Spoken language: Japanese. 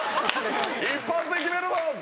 一発で決めるぞ！って。